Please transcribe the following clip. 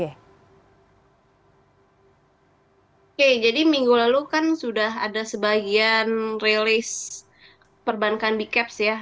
oke jadi minggu lalu kan sudah ada sebagian rilis perbankan b caps ya